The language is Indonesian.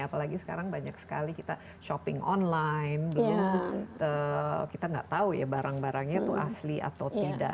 apalagi sekarang banyak sekali kita shopping online kita nggak tahu ya barang barangnya itu asli atau tidak